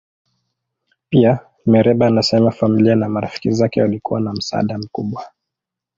Pia, Mereba anasema familia na marafiki zake walikuwa na msaada mkubwa.